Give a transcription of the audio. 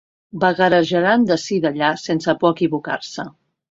Vagarejaran d'ací d'allà sense por a equivocar-se.